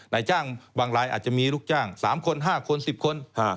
นายจ้างบางรายอาจจะมีลูกจ้าง๓คน๕คน๑๐คน